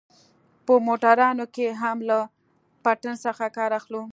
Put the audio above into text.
په موټرانو کښې هم له پټن څخه کار اخلو.